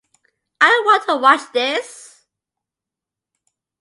I want to watch this.